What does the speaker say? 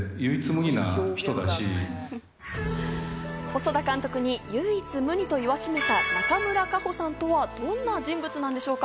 細田監督に唯一無二と言わしめた中村佳穂さんとはどんな人物なんでしょうか。